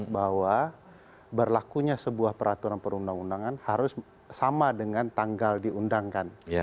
bahwa berlakunya sebuah peraturan perundang undangan harus sama dengan tanggal diundangkan